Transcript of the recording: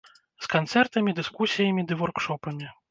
З канцэртамі, дыскусіямі ды воркшопамі.